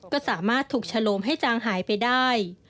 ก็สามารถถูกฉลมให้จางหายไปได้